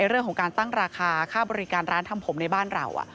เรื่องของการตั้งราคาค่าบริการร้านทำผมในบ้านเรา